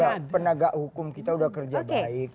ya penegak hukum kita udah kerja baik